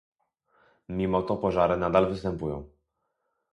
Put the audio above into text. Mimo to pożary nadal występują